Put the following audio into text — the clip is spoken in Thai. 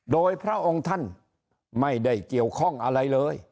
โดยพระองค์ท่านไม่ได้เกี่ยวข้องอะไรเลย